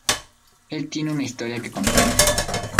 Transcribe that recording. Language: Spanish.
Él tiene una historia que contar.